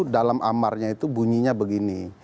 dalam amarnya itu bunyinya begini